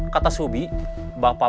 kata subi bapak bapak